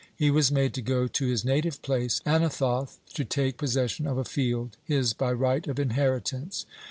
He was made to go to his native place, Anathoth, to take possession of a field, his by right of inheritance.